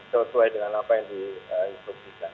sesuai dengan apa yang diinstruksikan